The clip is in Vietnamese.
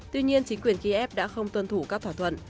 tuy nhiên chính quyền kiev đã không tuân thủ các thỏa thuận